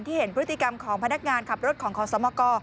เห็นพฤติกรรมของพนักงานขับรถของขอสมก